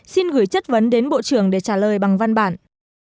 xin gửi chất vấn đến bộ trưởng để trả lời bằng văn bản